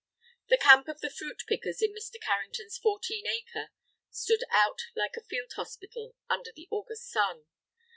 The camp of the fruit pickers in Mr. Carrington's fourteen acre stood out like a field hospital under the August sun.